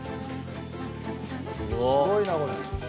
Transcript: すごいなこれ。